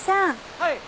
はい。